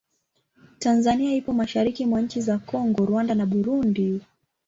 Tanzania ipo mashariki mwa nchi za Kongo, Rwanda na Burundi.